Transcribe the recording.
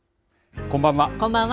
こんばんは。